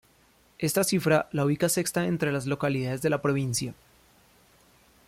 Esta cifra la ubica sexta entre las localidades de la provincia.